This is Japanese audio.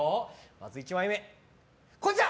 まず１枚目、こちら！